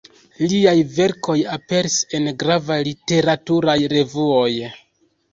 Liaj verkoj aperis en gravaj literaturaj revuoj.